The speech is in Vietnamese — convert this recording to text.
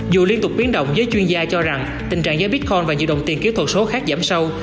dù liên tục biến động giới chuyên gia cho rằng tình trạng giá bitcoin và nhiều đồng tiền kỹ thuật số khác giảm sâu